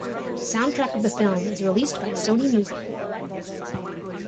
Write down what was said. Soundtrack of the film is released by Sony Music.